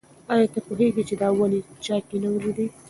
ایا ته پوهېږې چې دا ونې چا کینولي دي؟